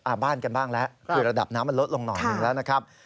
บ้านกันบ้างแล้วคือระดับน้ำมันลดลงหน่อยหนึ่งแล้วนะครับ